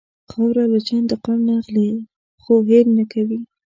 خاوره له چا انتقام نه اخلي، خو هېر نه کوي.